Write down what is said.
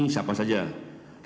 ya itu sudah